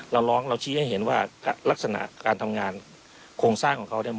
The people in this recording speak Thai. เราร้องเราชี้ให้เห็นว่าลักษณะการทำงานโครงสร้างของเขาเนี่ย